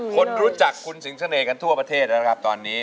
คนรู้จักคุณสิงเสน่ห์กันทั่วประเทศแล้วนะครับตอนนี้